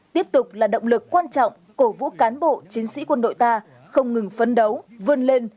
tiếp tục là động lực quan trọng cổ vũ cán bộ chiến sĩ quân đội ta không ngừng phấn đấu vươn lên